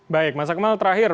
baik mas akmal terakhir